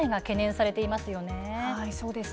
そうですね。